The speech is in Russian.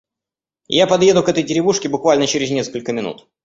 Я подъеду к этой деревушке буквально через несколько минут.